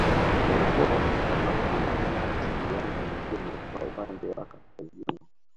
Ngorongoro inapakana na nchi jirani ya Kenya kwa upande wa Kaskazini